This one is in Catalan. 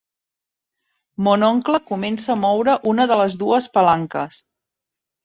Mon oncle comença a moure una de les dues palanques.